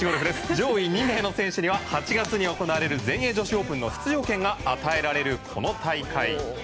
上位２名の選手には８月に行われる全英女子オープンの出場権が与えられるこの大会。